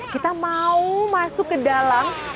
kita mau masuk ke dalam